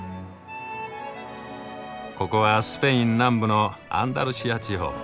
ここはスペイン南部のアンダルシア地方。